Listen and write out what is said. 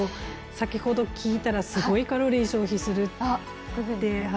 先ほど聞いたらすごいカロリーを消費するって。